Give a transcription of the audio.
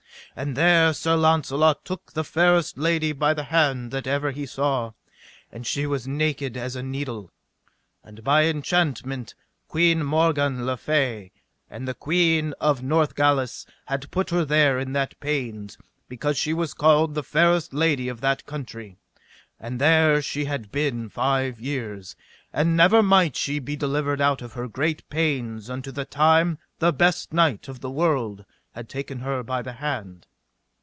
And there Sir Launcelot took the fairest lady by the hand that ever he saw, and she was naked as a needle; and by enchantment Queen Morgan le Fay and the Queen of Northgalis had put her there in that pains, because she was called the fairest lady of that country; and there she had been five years, and never might she be delivered out of her great pains unto the time the best knight of the world had taken her by the hand.